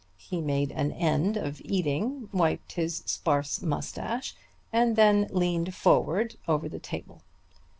He made an end of eating, wiped his sparse mustache, and then leaned forward over the table.